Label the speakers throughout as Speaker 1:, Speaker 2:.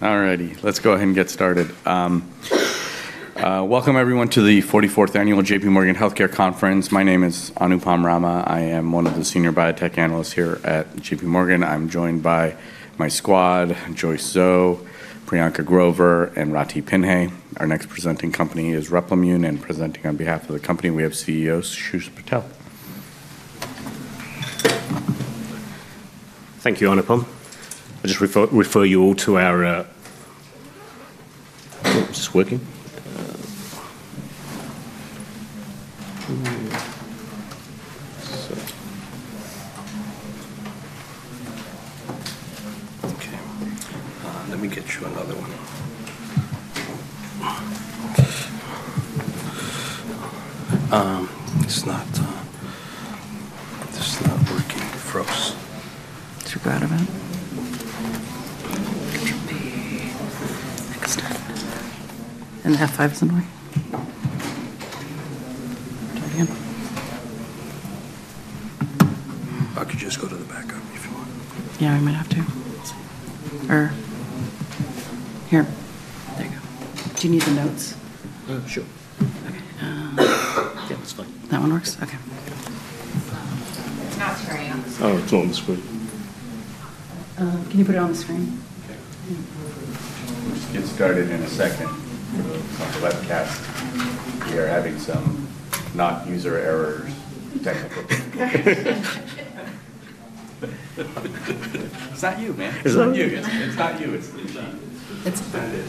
Speaker 1: All righty, let's go ahead and get started. Welcome, everyone, to the 44th Annual JPMorgan Healthcare Conference. My name is Anupam Rama. I am one of the Senior Biotech Analysts here at JPMorgan. I'm joined by my squad, Joyce Zhou, Priyanka Grover, and Ratih Pinhay. Our next presenting company is Replimune, and presenting on behalf of the company, we have CEO Sushil Patel.
Speaker 2: Thank you, Anupam. I'll just refer you all to our, just working. Okay, let me get you another one. Okay. It's not working for us. Too bad about. It should be extended. The F5 isn't working. Try again.
Speaker 3: I could just go to the backup if you want. Yeah, we might have to.
Speaker 2: Let's see. Over here. There you go. Do you need the notes?
Speaker 3: Sure. Okay.
Speaker 2: Yeah, that's fine. That one works? Okay.
Speaker 1: It's not screening.
Speaker 3: Oh, it's on the screen. Can you put it on the screen? We'll just get started in a second. We'll talk webcast. We are having some technical, not user errors, technically.
Speaker 2: It's not you, man. It's not you. It's not you. It's the.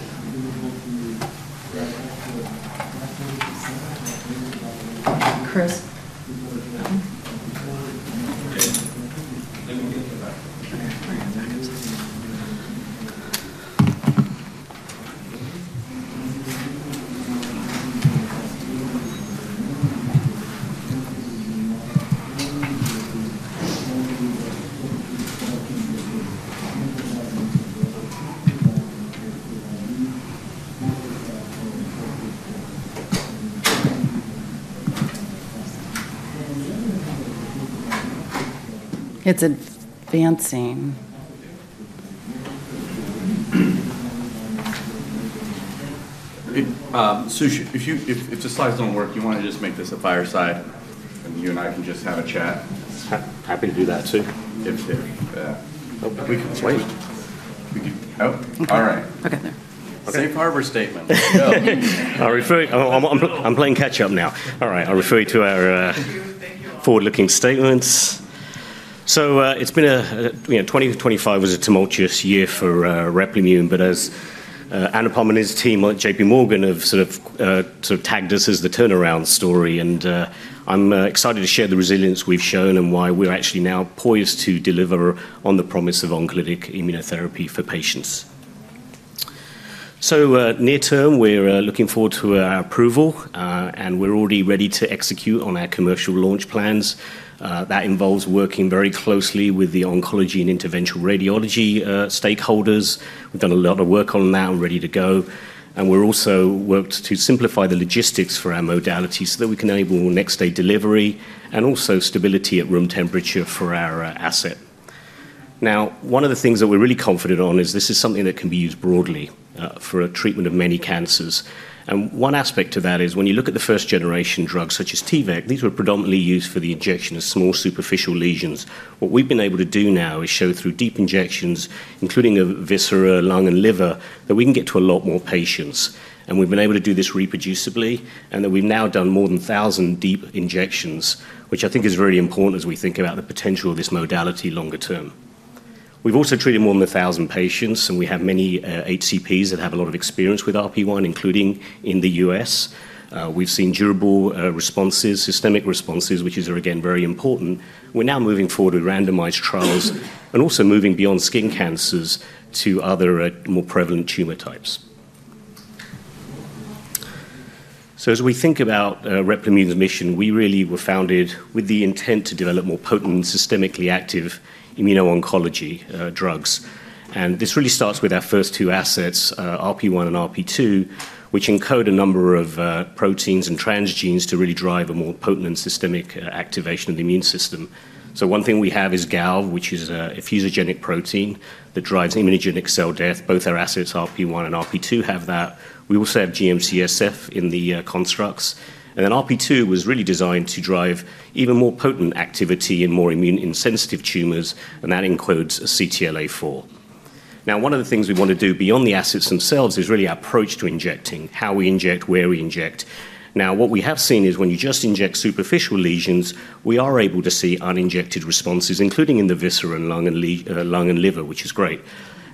Speaker 2: It's advancing. Sushil, if the slides don't work, you want to just make this a fireside and you and I can just have a chat? Happy to do that too. Oh, all right. Okay. Safe harbor statement. I'm playing catch-up now. All right, I'll refer you to our forward-looking statements. 2024 was a tumultuous year for Replimune, but as Anupam and his team at JPMorgan have sort of tagged this as the turnaround story, I'm excited to share the resilience we've shown and why we're actually now poised to deliver on the promise of oncolytic immunotherapy for patients. Near term, we're looking forward to our approval, and we're already ready to execute on our commercial launch plans. That involves working very closely with the oncology and interventional radiology stakeholders. We've done a lot of work on that and are ready to go, and we've also worked to simplify the logistics for our modality so that we can enable next-day delivery and also stability at room temperature for our asset. Now, one of the things that we're really confident on is this is something that can be used broadly for a treatment of many cancers, and one aspect of that is when you look at the first-generation drugs such as T-VEC. These were predominantly used for the injection of small superficial lesions. What we've been able to do now is show through deep injections, including a viscera, lung, and liver, that we can get to a lot more patients, and we've been able to do this reproducibly. We've now done more than 1,000 deep injections, which I think is very important as we think about the potential of this modality longer term. We've also treated more than 1,000 patients, and we have many HCPs that have a lot of experience with RP1, including in the U.S. We've seen durable responses, systemic responses, which are, again, very important. We're now moving forward with randomized trials and also moving beyond skin cancers to other more prevalent tumor types. So as we think about Replimune's mission, we really were founded with the intent to develop more potent, systemically active immuno-oncology drugs. And this really starts with our first two assets, RP1 and RP2, which encode a number of proteins and transgenes to really drive a more potent systemic activation of the immune system. So one thing we have is GALV, which is a fusogenic protein that drives immunogenic cell death. Both our assets, RP1 and RP2, have that. We also have GM-CSF in the constructs. And then RP2 was really designed to drive even more potent activity in more immune-insensitive tumors, and that includes CTLA-4. Now, one of the things we want to do beyond the assets themselves is really our approach to injecting, how we inject, where we inject. Now, what we have seen is when you just inject superficial lesions, we are able to see uninjected responses, including in the viscera, lung, and liver, which is great.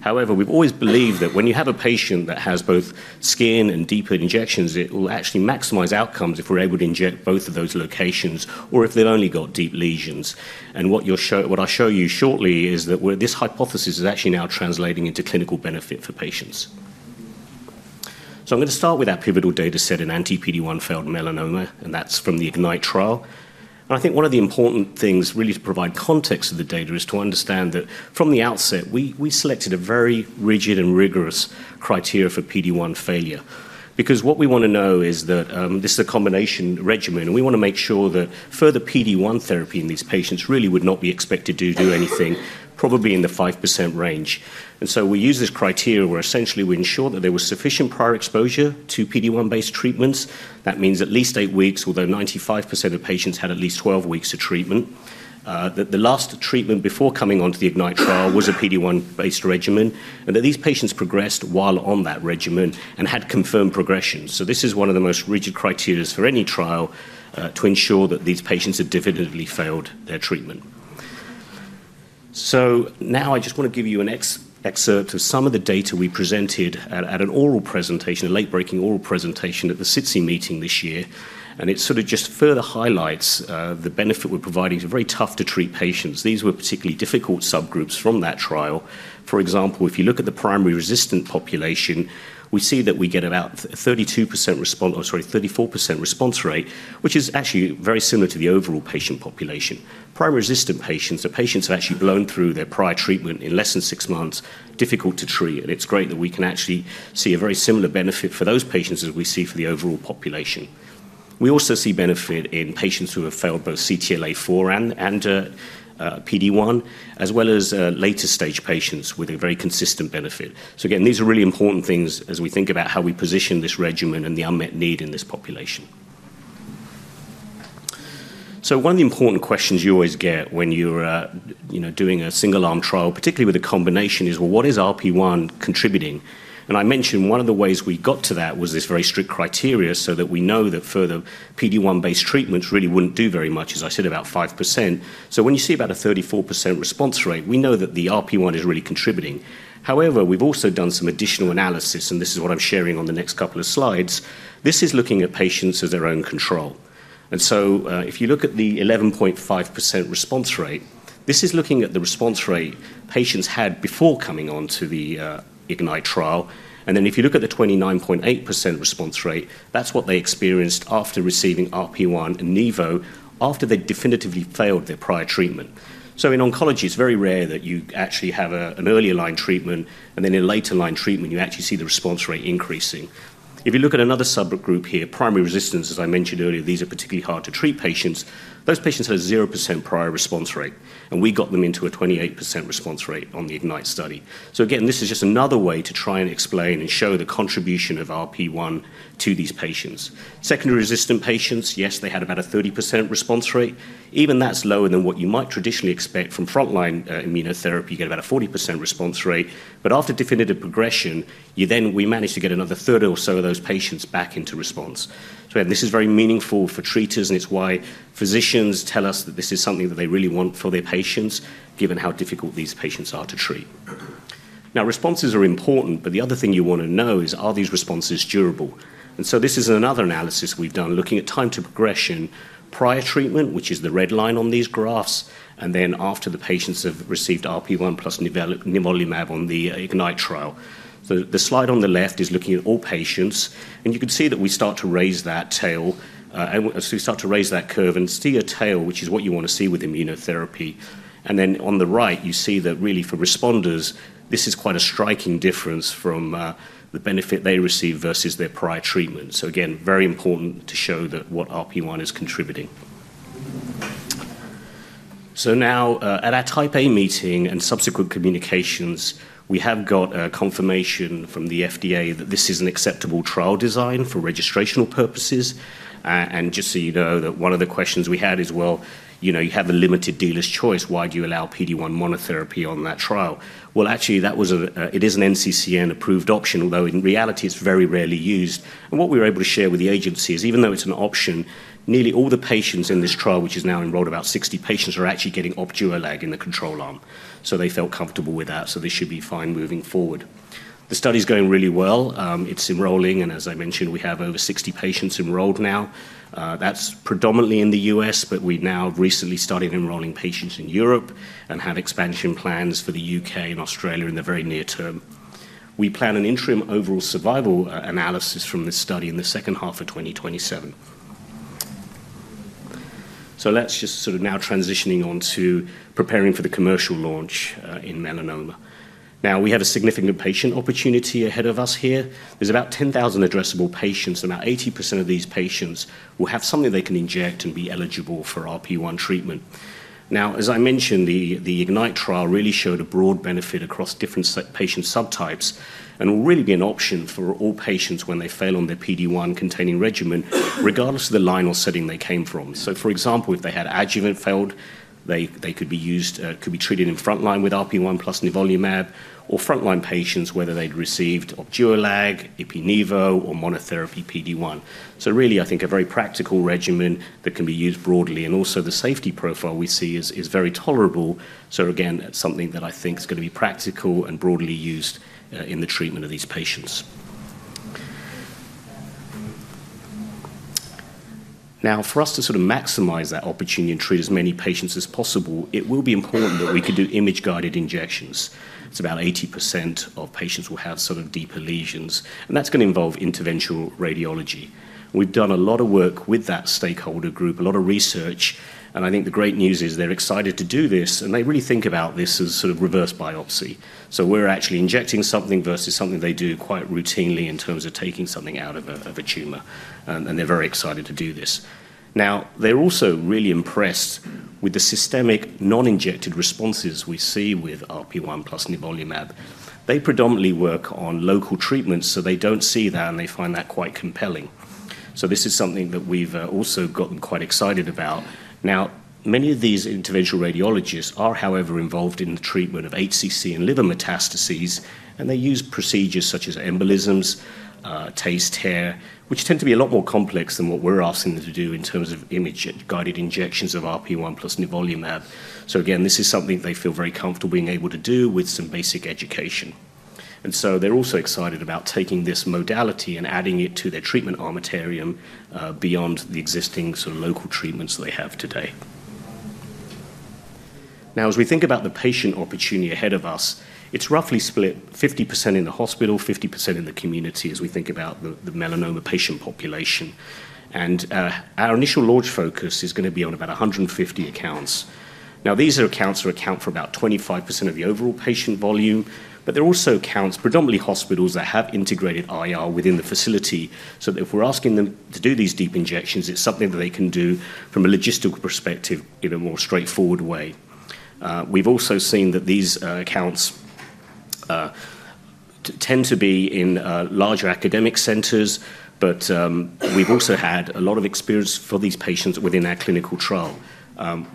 Speaker 2: However, we've always believed that when you have a patient that has both skin and deeper injections, it will actually maximize outcomes if we're able to inject both of those locations or if they've only got deep lesions. And what I'll show you shortly is that this hypothesis is actually now translating into clinical benefit for patients, so I'm going to start with our pivotal data set in anti-PD-1 failed melanoma, and that's from the IGNYTE trial. I think one of the important things really to provide context to the data is to understand that from the outset, we selected a very rigid and rigorous criteria for PD-1 failure because what we want to know is that this is a combination regimen, and we want to make sure that further PD-1 therapy in these patients really would not be expected to do anything, probably in the 5% range. So we use this criteria where essentially we ensure that there was sufficient prior exposure to PD-1-based treatments. That means at least eight weeks, although 95% of patients had at least 12 weeks of treatment. The last treatment before coming onto the IGNYTE trial was a PD-1-based regimen, and these patients progressed while on that regimen and had confirmed progression. This is one of the most rigid criteria for any trial to ensure that these patients have definitively failed their treatment. So now I just want to give you an excerpt of some of the data we presented at an oral presentation, a late-breaking oral presentation at the SITC meeting this year. It sort of just further highlights the benefit we're providing to very tough-to-treat patients. These were particularly difficult subgroups from that trial. For example, if you look at the primary resistant population, we see that we get about a 32% response, sorry, 34% response rate, which is actually very similar to the overall patient population. Primary resistant patients are patients who have actually blown through their prior treatment in less than six months, difficult to treat. And it's great that we can actually see a very similar benefit for those patients as we see for the overall population. We also see benefit in patients who have failed both CTLA-4 and PD-1, as well as later-stage patients with a very consistent benefit. So again, these are really important things as we think about how we position this regimen and the unmet need in this population. So one of the important questions you always get when you're doing a single-arm trial, particularly with a combination, is, well, what is RP1 contributing? And I mentioned one of the ways we got to that was this very strict criteria so that we know that further PD-1-based treatments really wouldn't do very much, as I said, about 5%. So when you see about a 34% response rate, we know that the RP1 is really contributing. However, we've also done some additional analysis, and this is what I'm sharing on the next couple of slides. This is looking at patients as their own control. And so if you look at the 11.5% response rate, this is looking at the response rate patients had before coming onto the IGNYTE trial. And then if you look at the 29.8% response rate, that's what they experienced after receiving RP1 and Nivo after they definitively failed their prior treatment. So in oncology, it's very rare that you actually have an early line treatment, and then in a later line treatment, you actually see the response rate increasing. If you look at another subgroup here, primary resistance, as I mentioned earlier, these are particularly hard-to-treat patients. Those patients had a 0% prior response rate, and we got them into a 28% response rate on the IGNYTE study. So again, this is just another way to try and explain and show the contribution of RP1 to these patients. Secondary resistant patients, yes, they had about a 30% response rate. Even that's lower than what you might traditionally expect from frontline immunotherapy. You get about a 40% response rate. But after definitive progression, we managed to get another third or so of those patients back into response. So again, this is very meaningful for treaters, and it's why physicians tell us that this is something that they really want for their patients, given how difficult these patients are to treat. Now, responses are important, but the other thing you want to know is, are these responses durable? And so this is another analysis we've done, looking at time to progression, prior treatment, which is the red line on these graphs, and then after the patients have received RP1 plus Nivolumab on the IGNYTE trial. The slide on the left is looking at all patients, and you can see that we start to raise that tail, as we start to raise that curve and see a tail, which is what you want to see with immunotherapy. And then on the right, you see that really for responders, this is quite a striking difference from the benefit they received versus their prior treatment. So again, very important to show that what RP1 is contributing. So now, at our Type A meeting and subsequent communications, we have got confirmation from the FDA that this is an acceptable trial design for registrational purposes. Just so you know, one of the questions we had is, well, you have a limited dealer's choice. Why do you allow PD-1 monotherapy on that trial? Well, actually, it is an NCCN-approved option, although in reality, it's very rarely used. What we were able to share with the agency is, even though it's an option, nearly all the patients in this trial, which is now enrolled, about 60 patients, are actually getting Opduralag in the control arm. They felt comfortable with that, so they should be fine moving forward. The study is going really well. It's enrolling, and as I mentioned, we have over 60 patients enrolled now. That's predominantly in the U.S., but we now have recently started enrolling patients in Europe and have expansion plans for the U.K. and Australia in the very near term. We plan an interim overall survival analysis from this study in the second half of 2027. So let's just sort of now transitioning onto preparing for the commercial launch in melanoma. Now, we have a significant patient opportunity ahead of us here. There's about 10,000 addressable patients. About 80% of these patients will have something they can inject and be eligible for RP1 treatment. Now, as I mentioned, the IGNYTE trial really showed a broad benefit across different patient subtypes and will really be an option for all patients when they fail on their PD-1-containing regimen, regardless of the line or setting they came from. So for example, if they had adjuvant failed, they could be treated in frontline with RP1 plus nivolumab or frontline patients, whether they'd received Opduralag, Ipi-Nivo, or monotherapy PD-1. So really, I think a very practical regimen that can be used broadly. And also, the safety profile we see is very tolerable. So again, it's something that I think is going to be practical and broadly used in the treatment of these patients. Now, for us to sort of maximize that opportunity and treat as many patients as possible, it will be important that we could do image-guided injections. It's about 80% of patients will have sort of deeper lesions, and that's going to involve interventional radiology. We've done a lot of work with that stakeholder group, a lot of research, and I think the great news is they're excited to do this, and they really think about this as sort of reverse biopsy. So we're actually injecting something versus something they do quite routinely in terms of taking something out of a tumor, and they're very excited to do this. Now, they're also really impressed with the systemic non-injected responses we see with RP1 plus nivolumab. They predominantly work on local treatments, so they don't see that, and they find that quite compelling, so this is something that we've also gotten quite excited about. Now, many of these interventional radiologists are, however, involved in the treatment of HCC and liver metastases, and they use procedures such as embolization, TACE, TARE, which tend to be a lot more complex than what we're asking them to do in terms of image-guided injections of RP1 plus nivolumab, so again, this is something they feel very comfortable being able to do with some basic education, and so they're also excited about taking this modality and adding it to their treatment armamentarium beyond the existing sort of local treatments they have today. Now, as we think about the patient opportunity ahead of us, it's roughly split 50% in the hospital, 50% in the community as we think about the melanoma patient population. And our initial large focus is going to be on about 150 accounts. Now, these accounts account for about 25% of the overall patient volume, but they're also accounts predominantly hospitals that have integrated IR within the facility so that if we're asking them to do these deep injections, it's something that they can do from a logistical perspective in a more straightforward way. We've also seen that these accounts tend to be in larger academic centers, but we've also had a lot of experience for these patients within our clinical trial.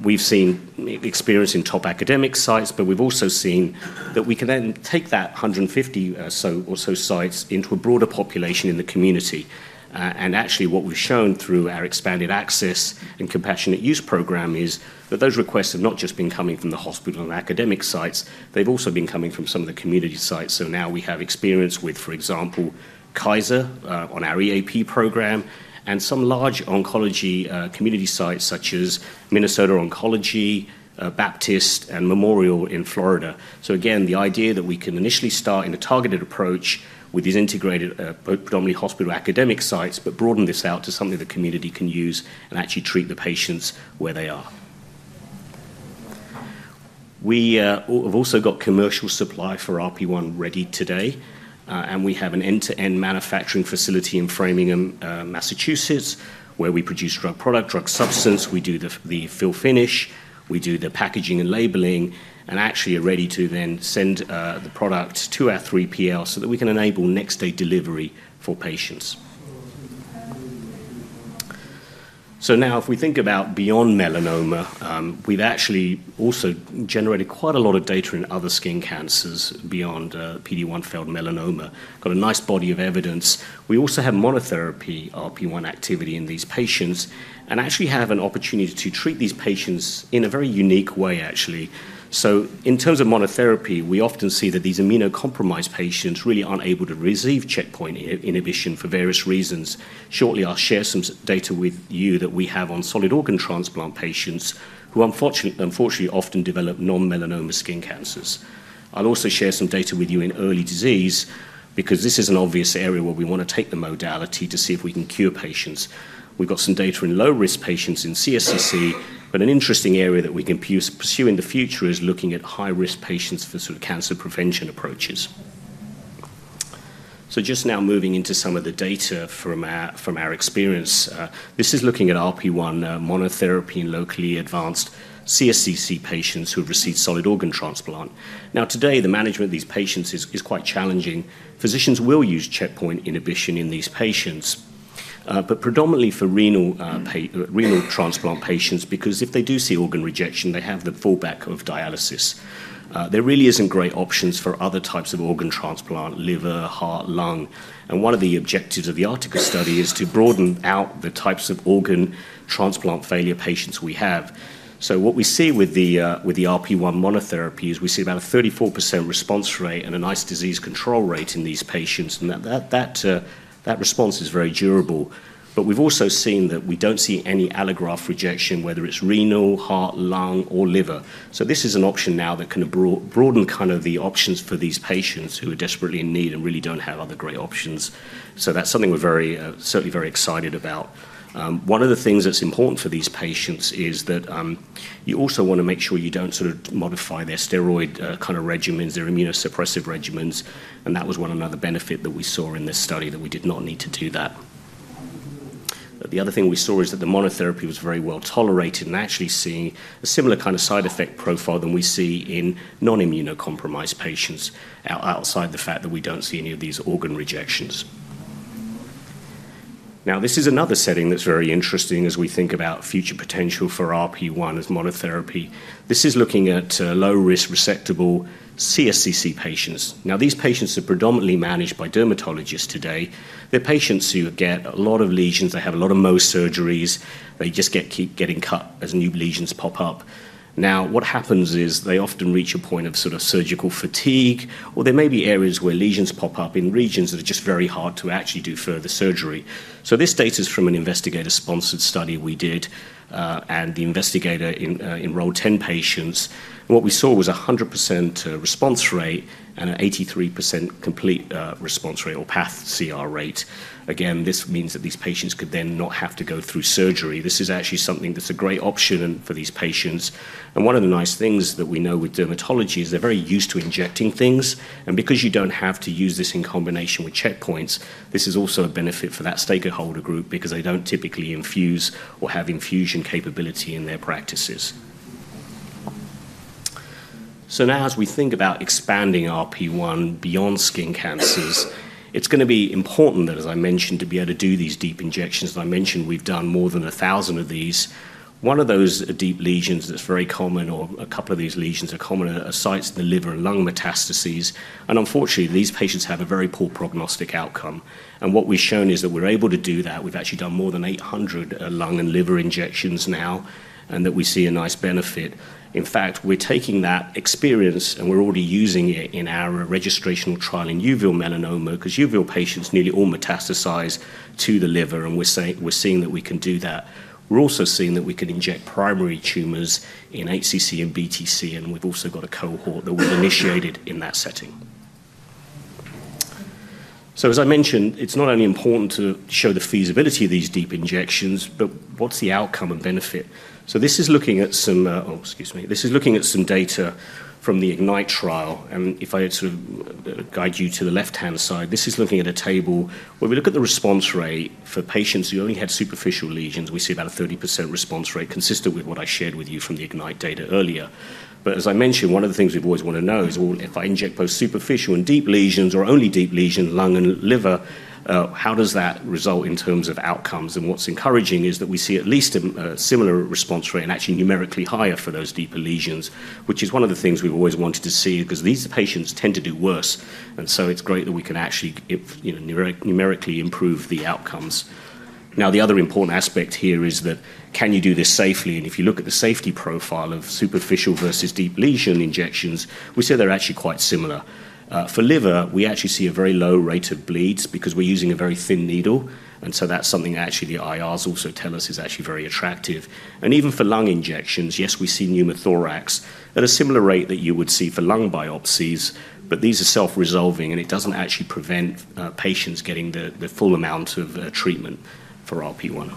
Speaker 2: We've seen experience in top academic sites, but we've also seen that we can then take that 150 or so sites into a broader population in the community. And actually, what we've shown through our expanded access and compassionate use program is that those requests have not just been coming from the hospital and academic sites. They've also been coming from some of the community sites. So now we have experience with, for example, Kaiser on our EAP program and some large oncology community sites such as Minnesota Oncology, Baptist, and Memorial in Florida. So again, the IDEAYA that we can initially start in a targeted approach with these integrated, predominantly hospital academic sites, but broaden this out to something the community can use and actually treat the patients where they are. We have also got commercial supply for RP1 ready today, and we have an end-to-end manufacturing facility in Framingham, Massachusetts, where we produce drug product, drug substance. We do the fill finish. We do the packaging and labeling, and actually are ready to then send the product to our 3PL so that we can enable next-day delivery for patients. So now, if we think about beyond melanoma, we've actually also generated quite a lot of data in other skin cancers beyond PD-1 failed melanoma. Got a nice body of evidence. We also have monotherapy RP1 activity in these patients and actually have an opportunity to treat these patients in a very unique way, actually. So in terms of monotherapy, we often see that these immunocompromised patients really aren't able to receive checkpoint inhibition for various reasons. Shortly, I'll share some data with you that we have on solid organ transplant patients who unfortunately often develop non-melanoma skin cancers. I'll also share some data with you in early disease because this is an obvious area where we want to take the modality to see if we can cure patients. We've got some data in low-risk patients in CSCC, but an interesting area that we can pursue in the future is looking at high-risk patients for sort of cancer prevention approaches. So just now moving into some of the data from our experience, this is looking at RP1 monotherapy in locally advanced CSCC patients who have received solid organ transplant. Now, today, the management of these patients is quite challenging. Physicians will use checkpoint inhibition in these patients, but predominantly for renal transplant patients because if they do see organ rejection, they have the fallback of dialysis. There really isn't great options for other types of organ transplant, liver, heart, lung. And one of the objectives of the ARTACUS study is to broaden out the types of organ transplant failure patients we have. So what we see with the RP1 monotherapy is we see about a 34% response rate and a nice disease control rate in these patients, and that response is very durable. But we've also seen that we don't see any allograft rejection, whether it's renal, heart, lung, or liver. So this is an option now that can broaden kind of the options for these patients who are desperately in need and really don't have other great options. So that's something we're certainly very excited about. One of the things that's important for these patients is that you also want to make sure you don't sort of modify their steroid kind of regimens, their immunosuppressive regimens. That was one of the benefits that we saw in this study that we did not need to do that. The other thing we saw is that the monotherapy was very well tolerated and actually seeing a similar kind of side effect profile than we see in non-immunocompromised patients outside the fact that we don't see any of these organ rejections. Now, this is another setting that's very interesting as we think about future potential for RP1 as monotherapy. This is looking at low-risk resectable CSCC patients. Now, these patients are predominantly managed by dermatologists today. They are patients who get a lot of lesions. They have a lot of Mohs surgeries. They just keep getting cut as new lesions pop up. Now, what happens is they often reach a point of sort of surgical fatigue, or there may be areas where lesions pop up in regions that are just very hard to actually do further surgery. So this data is from an investigator-sponsored study we did, and the investigator enrolled 10 patients. And what we saw was a 100% response rate and an 83% complete response rate or path CR rate. Again, this means that these patients could then not have to go through surgery. This is actually something that's a great option for these patients. And one of the nice things that we know with dermatology is they're very used to injecting things. And because you don't have to use this in combination with checkpoints, this is also a benefit for that stakeholder group because they don't typically infuse or have infusion capability in their practices. So now, as we think about expanding RP1 beyond skin cancers, it's going to be important that, as I mentioned, to be able to do these deep injections. And I mentioned we've done more than 1,000 of these. One of those deep lesions that's very common, or a couple of these lesions are common, are sites in the liver and lung metastases. And unfortunately, these patients have a very poor prognostic outcome. And what we've shown is that we're able to do that. We've actually done more than 800 lung and liver injections now, and that we see a nice benefit. In fact, we're taking that experience, and we're already using it in our registrational trial in uveal melanoma because uveal patients, nearly all metastasize to the liver, and we're seeing that we can do that. We're also seeing that we can inject primary tumors in HCC and BTC, and we've also got a cohort that we've initiated in that setting. So as I mentioned, it's not only important to show the feasibility of these deep injections, but what's the outcome and benefit? So this is looking at some, oh, excuse me, this is looking at some data from the IGNYTE trial. And if I sort of guide you to the left-hand side, this is looking at a table where we look at the response rate for patients who only had superficial lesions. We see about a 30% response rate, consistent with what I shared with you from the IGNYTE data earlier. But as I mentioned, one of the things we've always wanted to know is, well, if I inject both superficial and deep lesions or only deep lesions, lung and liver, how does that result in terms of outcomes? And what's encouraging is that we see at least a similar response rate and actually numerically higher for those deeper lesions, which is one of the things we've always wanted to see because these patients tend to do worse. And so it's great that we can actually numerically improve the outcomes. Now, the other important aspect here is that can you do this safely? And if you look at the safety profile of superficial versus deep lesion injections, we say they're actually quite similar. For liver, we actually see a very low rate of bleeds because we're using a very thin needle. And so that's something that actually the IRs also tell us is actually very attractive, and even for lung injections, yes, we see pneumothorax at a similar rate that you would see for lung biopsies, but these are self-resolving, and it doesn't actually prevent patients getting the full amount of treatment for RP1,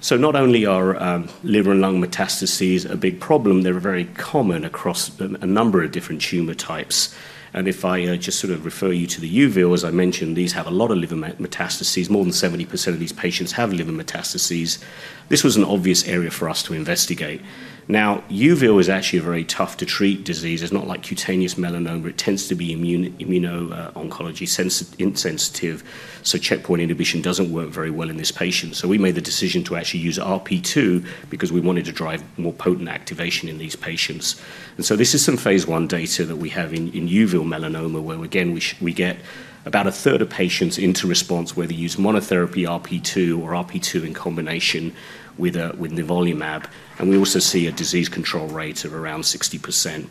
Speaker 2: so not only are liver and lung metastases a big problem, they're very common across a number of different tumor types, and if I just sort of refer you to the uveal, as I mentioned, these have a lot of liver metastases. More than 70% of these patients have liver metastases. This was an obvious area for us to investigate. Now, uveal is actually a very tough-to-treat disease. It's not like cutaneous melanoma. It tends to be immuno-oncology insensitive, so checkpoint inhibition doesn't work very well in this patient. So we made the decision to actually use RP2 because we wanted to drive more potent activation in these patients. And so this is some phase one data that we have in uveal melanoma, where again, we get about a third of patients into response where they use monotherapy RP2 or RP2 in combination with nivolumab. And we also see a disease control rate of around 60%.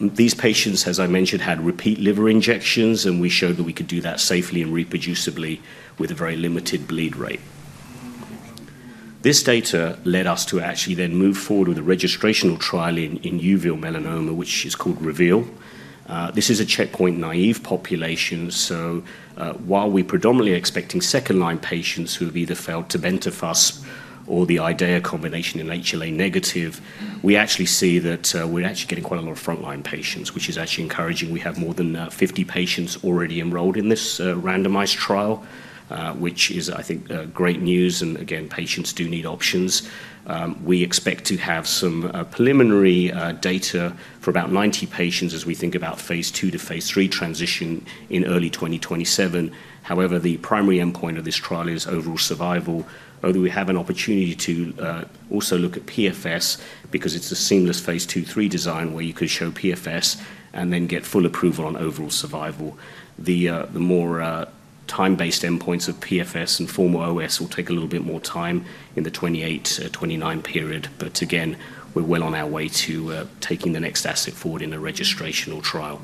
Speaker 2: These patients, as I mentioned, had repeat liver injections, and we showed that we could do that safely and reproducibly with a very limited bleed rate. This data led us to actually then move forward with a registrational trial in uveal melanoma, which is called REVEAL. This is a checkpoint naive population. So while we're predominantly expecting second-line patients who have either failed Tebentafos or the IDEAYA combination in HLA negative, we actually see that we're actually getting quite a lot of front-line patients, which is actually encouraging. We have more than 50 patients already enrolled in this randomized trial, which is, I think, great news. And again, patients do need options. We expect to have some preliminary data for about 90 patients as we think about phase two to phase three transition in early 2027. However, the primary endpoint of this trial is overall survival. Although we have an opportunity to also look at PFS because it's a seamless phase two-three design where you could show PFS and then get full approval on overall survival. The more time-based endpoints of PFS and formal OS will take a little bit more time in the 28-29 period. But again, we're well on our way to taking the next asset forward in the registrational trial.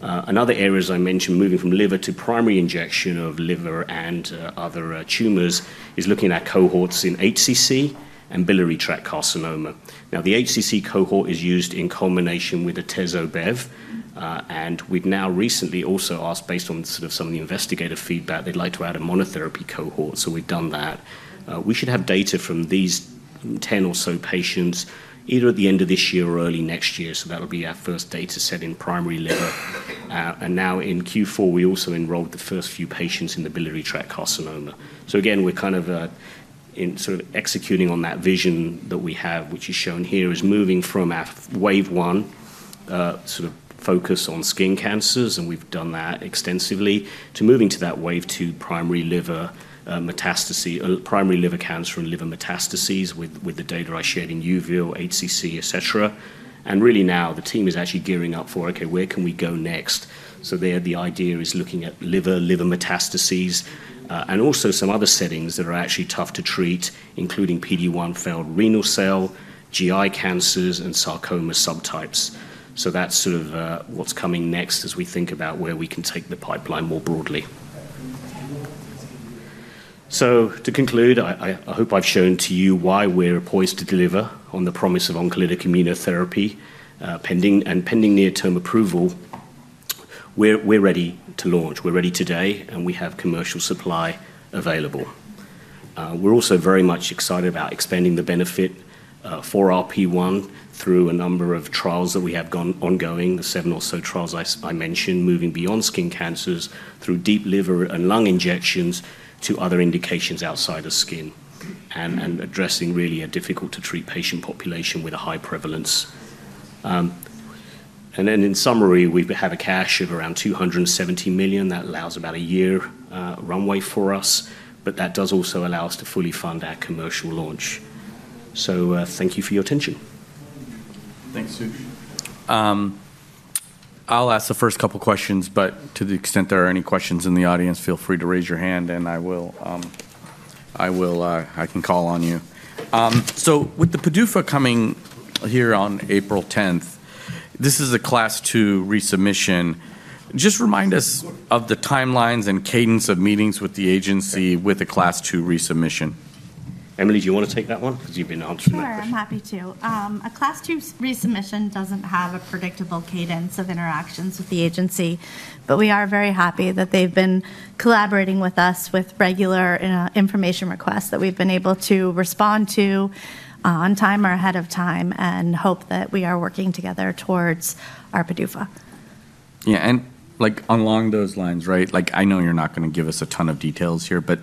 Speaker 2: Another area, as I mentioned, moving from liver to primary injection of liver and other tumors is looking at cohorts in HCC and biliary tract carcinoma. Now, the HCC cohort is used in combination with the AtezoBev. And we've now recently also asked, based on sort of some of the investigator feedback, they'd like to add a monotherapy cohort. So we've done that. We should have data from these 10 or so patients either at the end of this year or early next year. So that'll be our first data set in primary liver. And now in Q4, we also enrolled the first few patients in the biliary tract carcinoma. So again, we're kind of sort of executing on that vision that we have, which is shown here as moving from our wave one sort of focus on skin cancers, and we've done that extensively, to moving to that wave two primary liver metastases, primary liver cancer and liver metastases with the data I shared in uveal, HCC, etc. And really now, the team is actually gearing up for, okay, where can we go next. So there, the IDEAYA is looking at liver, liver metastases, and also some other settings that are actually tough to treat, including PD-1 failed renal cell, GI cancers, and sarcoma subtypes. So that's sort of what's coming next as we think about where we can take the pipeline more broadly. So to conclude, I hope I've shown to you why we're poised to deliver on the promise of oncolytic immunotherapy and pending near-term approval. We're ready to launch. We're ready today, and we have commercial supply available. We're also very much excited about expanding the benefit for RP1 through a number of trials that we have ongoing, the seven or so trials I mentioned, moving beyond skin cancers through deep liver and lung injections to other indications outside of skin and addressing really a difficult-to-treat patient population with a high prevalence. And then in summary, we have a cash of around $270 million. That allows about a year runway for us, but that does also allow us to fully fund our commercial launch. So thank you for your attention. Thanks, Sushil. I'll ask the first couple of questions, but to the extent there are any questions in the audience, feel free to raise your hand, and I can call on you. So with the PDUFA coming here on April 10th, this is a class two resubmission. Just remind us of the timelines and cadence of meetings with the agency with a class two resubmission. Emily, do you want to take that one? Because you've been answering that question.
Speaker 3: Sure. I'm happy to. A class two resubmission doesn't have a predictable cadence of interactions with the agency, but we are very happy that they've been collaborating with us with regular information requests that we've been able to respond to on time or ahead of time and hope that we are working together towards our PDUFA. Yeah. And along those lines, right, I know you're not going to give us a ton of details here, but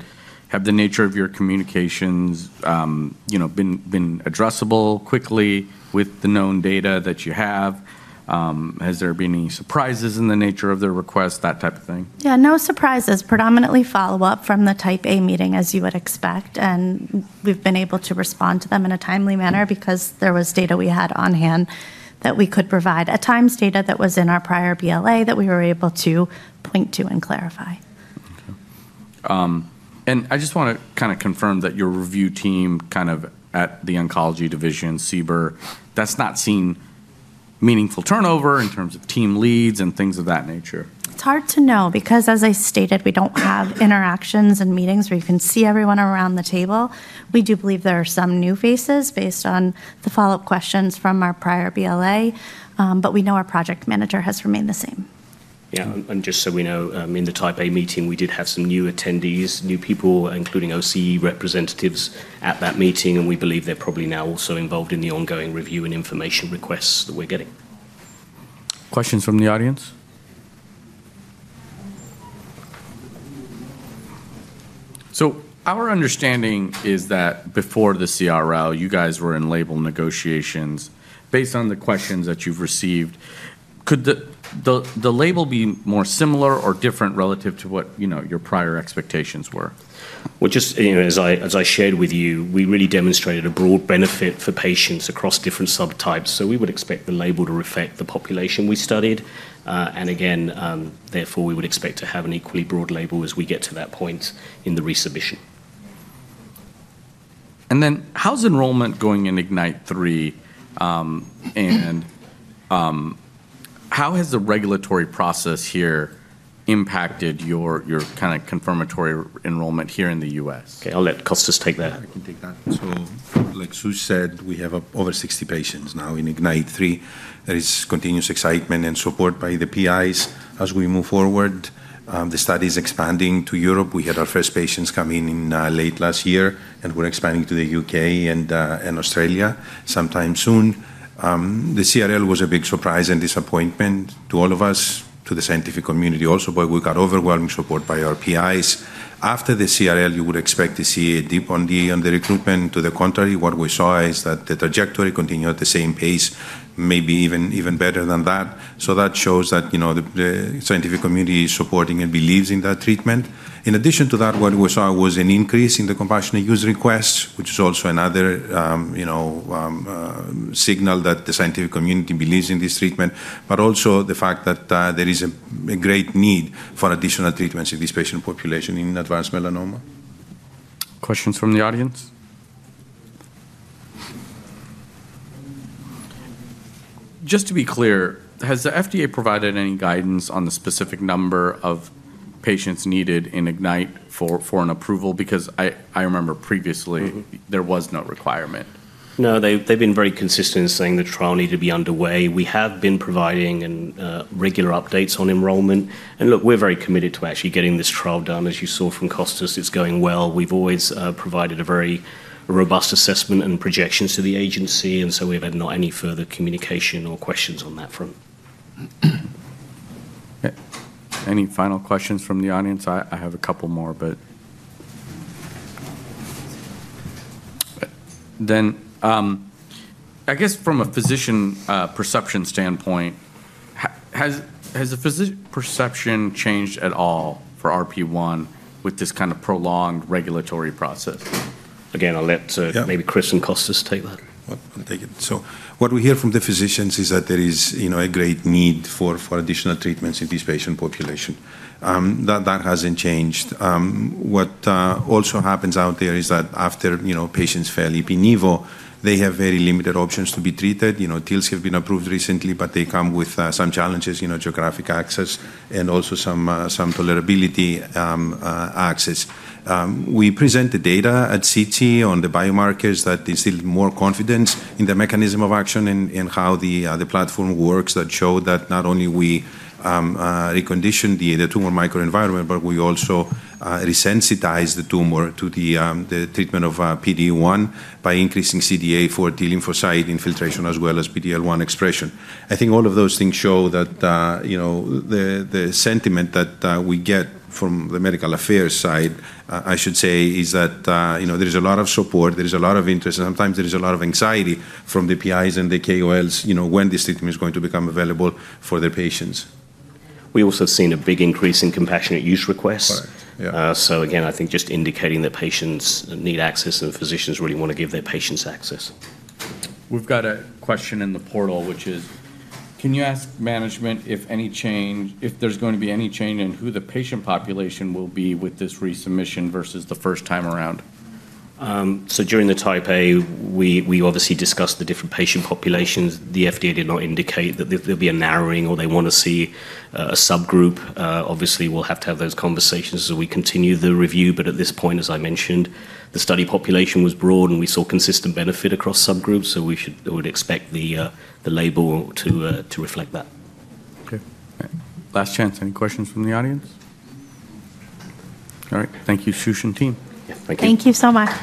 Speaker 3: have the nature of your communications been addressable quickly with the known data that you have? Has there been any surprises in the nature of the request, that type of thing? Yeah, no surprises. Predominantly follow-up from the Type A meeting, as you would expect. And we've been able to respond to them in a timely manner because there was data we had on hand that we could provide, at times data that was in our prior BLA that we were able to point to and clarify. Okay. And I just want to kind of confirm that your review team kind of at the oncology division, CBER, that's not seeing meaningful turnover in terms of team leads and things of that nature. It's hard to know because, as I stated, we don't have interactions and meetings where you can see everyone around the table. We do believe there are some new faces based on the follow-up questions from our prior BLA, but we know our project manager has remained the same.
Speaker 2: Yeah, and just so we know, in the type A meeting, we did have some new attendees, new people, including OCE representatives at that meeting, and we believe they're probably now also involved in the ongoing review and information requests that we're getting. Questions from the audience? So our understanding is that before the CRL, you guys were in label negotiations. Based on the questions that you've received, could the label be more similar or different relative to what your prior expectations were? Just as I shared with you, we really demonstrated a broad benefit for patients across different subtypes. So we would expect the label to reflect the population we studied. And again, therefore, we would expect to have an equally broad label as we get to that point in the resubmission. And then how's enrollment going in IGNYTE-3? And how has the regulatory process here impacted your kind of confirmatory enrollment here in the U.S.? Okay. I'll let Costas take that. I can take that. So like Sushil said, we have over 60 patients now in IGNYTE-3. There is continuous excitement and support by the PIs as we move forward. The study is expanding to Europe. We had our first patients come in late last year, and we're expanding to the U.K. and Australia sometime soon. The CRL was a big surprise and disappointment to all of us, to the scientific community also, but we got overwhelming support by our PIs. After the CRL, you would expect to see a dip on the recruitment. To the contrary, what we saw is that the trajectory continued at the same pace, maybe even better than that. So that shows that the scientific community is supporting and believes in that treatment. In addition to that, what we saw was an increase in the compassionate use request, which is also another signal that the scientific community believes in this treatment, but also the fact that there is a great need for additional treatments in this patient population in advanced melanoma. Questions from the audience? Just to be clear, has the FDA provided any guidance on the specific number of patients needed in IGNYTE for an approval? Because I remember previously there was no requirement. No, they've been very consistent in saying the trial needed to be underway. We have been providing regular updates on enrollment. And look, we're very committed to actually getting this trial done. As you saw from Costas, it's going well. We've always provided a very robust assessment and projections to the agency. And so we've had not any further communication or questions on that front. Okay. Any final questions from the audience? I have a couple more, but then I guess from a physician perception standpoint, has the physician perception changed at all for RP1 with this kind of prolonged regulatory process? Again, I'll let maybe Chris and Costas take that. What we hear from the physicians is that there is a great need for additional treatments in this patient population. That hasn't changed. What also happens out there is that after patients fail Ipi-Nivo, they have very limited options to be treated. TILs have been approved recently, but they come with some challenges, geographic access, and also some tolerability access. We present the data at SITC on the biomarkers that instilled more confidence in the mechanism of action and how the platform works that showed that not only we reconditioned the tumor microenvironment, but we also resensitized the tumor to the treatment of PD-1 by increasing CD8+ T lymphocyte infiltration as well as PD-L1 expression. I think all of those things show that the sentiment that we get from the medical affairs side, I should say, is that there is a lot of support. There is a lot of interest. Sometimes there is a lot of anxiety from the PIs and the KOLs when this treatment is going to become available for their patients. We also have seen a big increase in compassionate use requests. So again, I think just indicating that patients need access and physicians really want to give their patients access. We've got a question in the portal, which is, can you ask management if there's going to be any change in who the patient population will be with this resubmission versus the first time around? So during the Type A, we obviously discussed the different patient populations. The FDA did not indicate that there'll be a narrowing or they want to see a subgroup. Obviously, we'll have to have those conversations as we continue the review. But at this point, as I mentioned, the study population was broad and we saw consistent benefit across subgroups, so we would expect the label to reflect that. Okay. Last chance. Any questions from the audience? All right. Thank you, Sush and team. Yes, thank you.
Speaker 3: Thank you so much.